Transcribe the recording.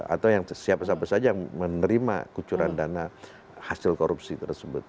atau siapa siapa saja yang menerima kucuran dana hasil korupsi tersebut